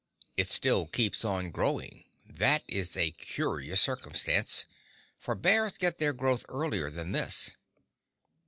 It still keeps on growing—that is a curious circumstance, for bears get their growth earlier than this.